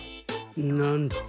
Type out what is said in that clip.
なんと？